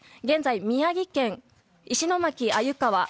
現在、宮城県石巻鮎川